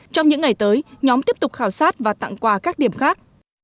trong những ngày tới nhóm tiếp tục khảo sát và tặng quà các điểm khác